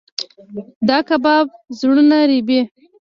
دا کباب زړونه رېبي.